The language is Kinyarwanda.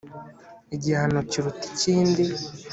igihano kiruta ikindi